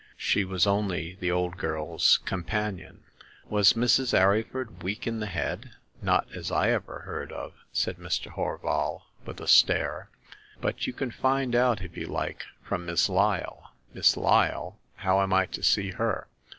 She was only the old girl's companion/' Was Mrs. Arryford weak in the head ?"*^ Not as I ever heard of," said Mr. Horval, The Second Customer. 69 with a stare, " but you can find out, if you like^ from Miss Lyle." '* Miss Lyle ? How am I to see her